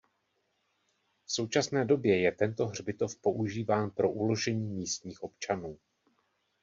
V současné době je tento hřbitov používán pro uložení místních občanů.